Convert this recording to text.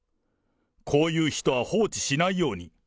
こういう人は放置しないように。